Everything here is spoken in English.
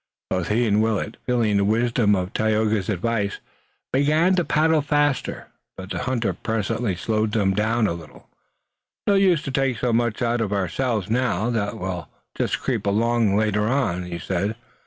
Both he and Willet, feeling the wisdom of Tayoga's advice, began to paddle faster. But the hunter presently slowed down a little. "No use to take so much out of ourselves now that we'll just creep along later on," he said.